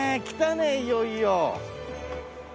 来たねいよいよ。